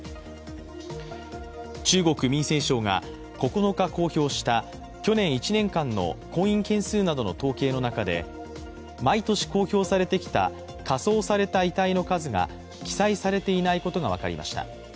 中国・民政省が９日公表した去年１年間の婚姻件数などの統計の中で毎年公表されてきた火葬された遺体の数が記載されていないことが分かりました。